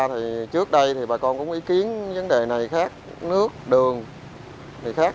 thì trước đây thì bà con cũng ý kiến vấn đề này khác nước đường thì khác